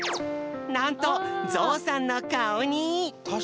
なんとゾウさんのかおに！